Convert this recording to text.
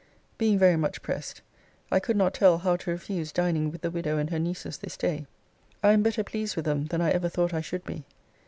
Being very much pressed, I could not tell how to refuse dining with the widow and her nieces this day. I am better pleased with them than I ever thought I should be.